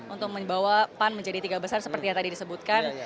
untuk membawa pan menjadi tiga besar seperti yang tadi disebutkan